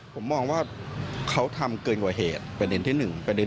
ผมมองว่าเขาทำเกินกว่าเหตุประเด็นที่หนึ่งประเด็น